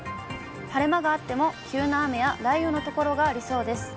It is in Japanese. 晴れ間があっても、急な雨や雷雨の所がありそうです。